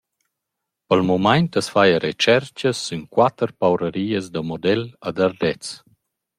Pel mumaint as faja retscherchas sün quatter paurarias da model ad Ardez.